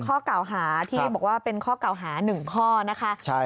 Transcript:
ข้อกล่าวหาที่บอกว่าเป็นข้อกล่าวหาหนึ่งข้อนะคะ